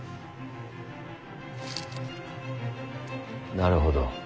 なるほど。